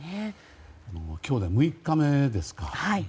今日で６日目ですか。